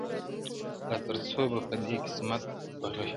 لا تر څو به دي قسمت په غشیو ولي.!